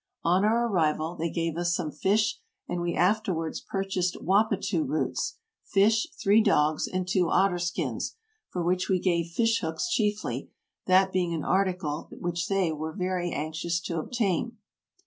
On our arrival they gave us some fish and we afterwards purchased wappatoo roots, fish, three dogs, and two otter skins, for which we gave fish hooks chiefly, that being an article which they are very anxious to obtain.